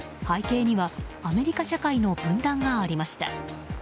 背景にはアメリカ社会の分断がありました。